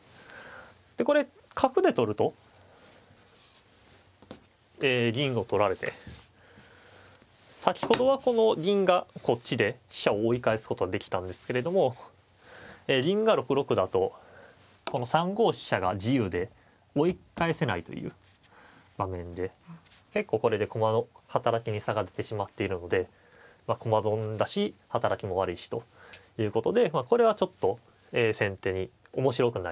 でこれ角で取ると銀を取られて先ほどはこの銀がこっちで飛車を追い返すことができたんですけれども銀が６六だとこの３五飛車が自由で追い返せないという場面で結構これで駒の働きに差が出てしまっているので駒損だし働きも悪いしということでこれはちょっと先手に面白くない。